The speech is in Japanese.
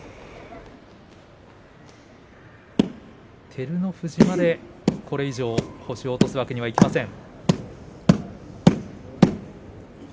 照ノ富士まで、これ以上星を落とすわけにはいきません。